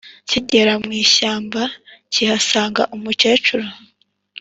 kigera mw ishyamba kihasanga umukecuru